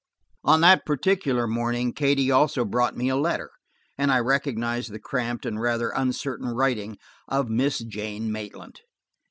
On that particular morning, Katie also brought me a letter, and I recognized the cramped and rather uncertain writing of Miss Jane Maitland.